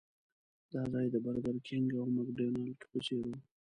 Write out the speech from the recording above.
دا ځای د برګر کېنګ او مکډانلډ په څېر و.